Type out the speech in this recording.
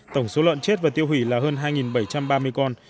tổng số lợn chết và tiêu hủy là hơn hai bảy trăm ba mươi con